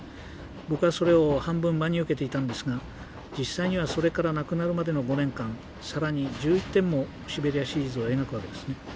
僕はそれを半分真に受けていたんですが実際にはそれから亡くなるまでの５年間更に１１点も「シベリア・シリーズ」を描くわけですね。